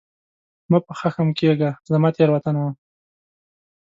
مه په خښم کېږه ، زما تېروتنه وه !